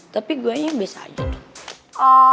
tapi gue aja yang biasa aja tuh